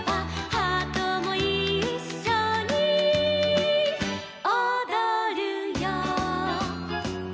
「ハートもいっしょにおどるよ」